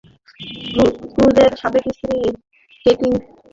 ক্রুজের সাবেক স্ত্রী কেটি হোমসের সঙ্গে থমাসের চেহারার অদ্ভুত মিল রয়েছে।